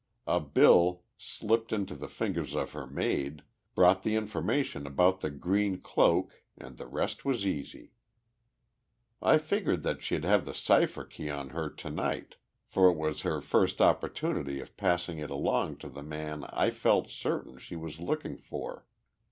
A bill, slipped into the fingers of her maid, brought the information about the green cloak, and the rest was easy. "I figured that she'd have the cipher key on her to night, for it was her first opportunity of passing it along to the man I felt certain she was working for.